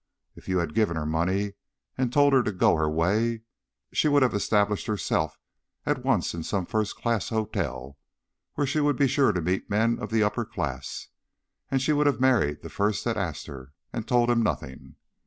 If you had given her money and told her to go her way, she would have established herself at once in some first class hotel where she would be sure to meet men of the upper class. And she would have married the first that asked her and told him nothing.